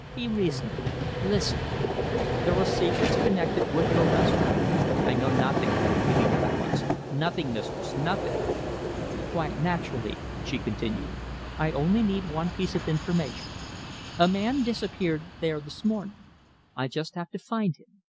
Be reasonable. Listen. There are secrets connected with your restaurant." "I know nothing," he began at once; "nothing, mistress nothing!" "Quite naturally," she continued. "I only need one piece of information. A man disappeared there this morning. I just have to find him.